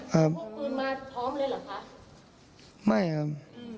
ครับ